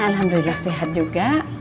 alhamdulillah sehat juga